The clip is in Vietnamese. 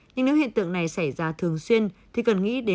nhưng nếu hiện tượng này xảy ra thường xuyên thì cần nghĩ đến liên quan